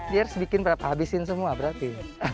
dia harus bikin habisin semua berarti